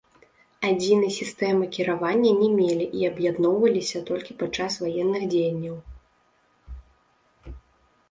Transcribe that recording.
Адзінай сістэмы кіравання не мелі і аб'ядноўваліся толькі падчас ваенных дзеянняў.